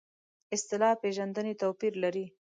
اصطلاح پېژندنې توپیر لري.